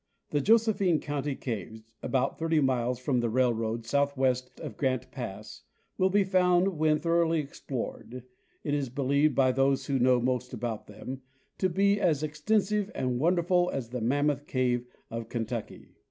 The Josephine county caves, about thirty miles from the railroad southwest of Grant pass, will be found when thoroughly explored, it is believed by those who know most about them, to be as extensive and won derful as is the Mammoth cave of Kentucky.